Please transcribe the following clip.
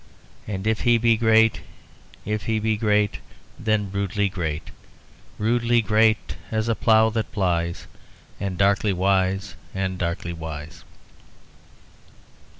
And if he be great, If he be great, then rudely great, Rudely great as a plough that plies, And darkly wise, and darkly wise."